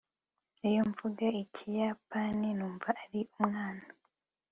iyo mvuga ikiyapani, numva ari umwana